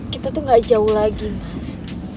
kita itu nggak jauh lagi mas